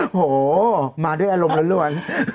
โอ้โฮมาด้วยอารมณ์ร้อน